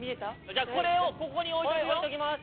じゃあこれをここに置いとくよ。